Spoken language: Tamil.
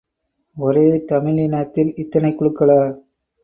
ஒரே தமிழினத்தில் இத்தனைக் குழுக்களா?